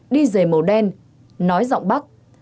đi dày màu đen nói giọng bắc